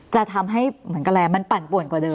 จะทำให้แม่งกระแลมันปั่นปวนกว่าเดิม